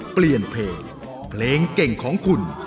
เปลี่ยนเพลงเพลงเก่งของคุณ